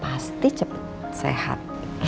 pasti cepat sehat